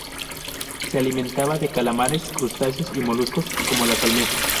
Se alimentaba de calamares, crustáceos y moluscos, como las almejas.